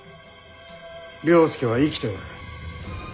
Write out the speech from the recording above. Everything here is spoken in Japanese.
了助は生きておる。